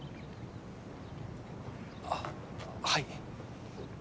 あっはい。